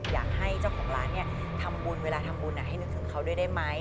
อยากให้เจ้าของร้านทำบุญเวลาทำบุญให้นึกถึงเขาด้วยได้ไหม